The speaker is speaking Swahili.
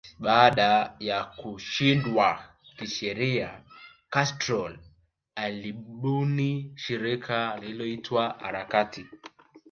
Baada ya kushindwa kisheria Castro alibuni shirika lililoitwa harakati